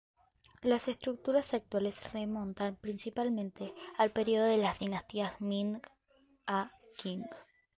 Las estructuras actuales se remontan, principalmente, al período de las dinastías Ming a Qing.